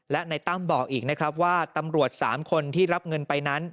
และในตั้มบอกอีกนะครับว่าตำรวจ๓คนที่รับเงินไปนั้น